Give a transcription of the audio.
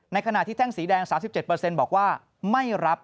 ขณะที่แท่งสีแดง๓๗บอกว่าไม่รับ